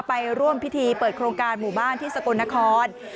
ไปร่วมพิธีเปิดโครงการหมู่บ้านที่สกลนคร